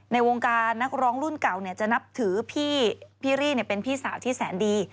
ในวงการนักร้องรุ่นเก่าจะนับถือพี่รี่เป็นพี่สาวที่แสนดี